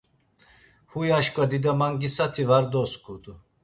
Huy aşǩva Didamangisati var dosǩudu.